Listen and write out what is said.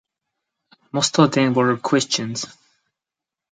Most of them were Christians.